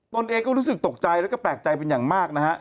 ตนเองก็รู้สึกตกใจแล้วก็แปลกใจเป็นอย่างมากนะฮะ